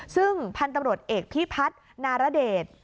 ซึ่งพันธุ์ตำรวจเอกพิพัฒนารเดช